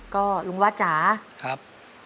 ก็ลุงวัดจ๋าครับ